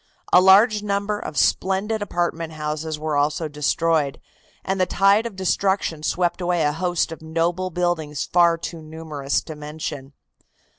A large number of splendid apartment houses were also destroyed, and the tide of destruction swept away a host of noble buildings far too numerous to mention.